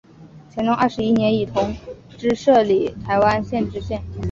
乾隆二十一年以同知摄理台湾县知县。